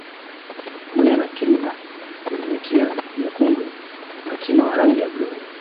Pamoja na Kima wenye mikia myekundu na kima wa rangi ya bluu